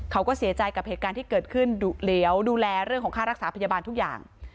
เขาก็เสียใจกับเหตุการณ์ที่เกิดขึ้นดุเหลียวดูแลเรื่องของค่ารักษาพยาบาลทุกอย่าง